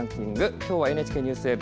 きょうはＮＨＫＮＥＷＳＷＥＢ